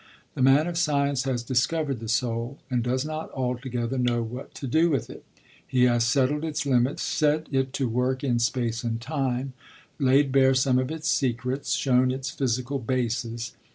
The man of science has discovered the soul, and does not altogether know what to do with it. He has settled its limits, set it to work in space and time, laid bare some of its secrets, shown its 'physical basis.'